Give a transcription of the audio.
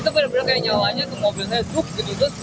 itu benar benar kayak nyalanya ke mobil saya juk gitu